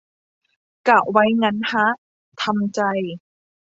กะไว้งั้นฮะ ทำใจ